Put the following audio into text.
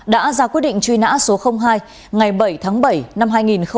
đã ra quyết định truy nã số hai ngày bảy tháng bảy năm hai nghìn hai mươi hai